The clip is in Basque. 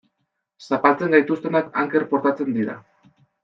Zapaltzen gaituztenak anker portatzen dira.